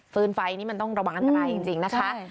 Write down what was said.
ไฟนี่มันต้องระวังอันตรายจริงนะคะ